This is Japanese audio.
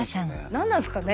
何なんですかね。